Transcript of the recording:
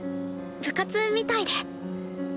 部活みたいで。